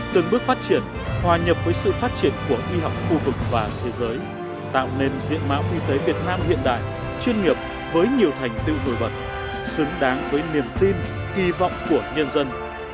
từng bước phát triển hòa nhập với sự phát triển của y học khu vực và thế giới tạo nên diện máu y tế việt nam hiện đại chuyên nghiệp với nhiều thành tựu nổi bật xứng đáng với niềm tin kỳ vọng của nhân dân